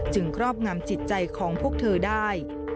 ครอบงำจิตใจของพวกเธอได้